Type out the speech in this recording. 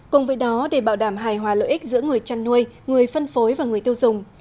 cùng với đó để bảo đảm hài hòa lợi ích giữa người chăn nuôi người phân phối và người tiêu dùng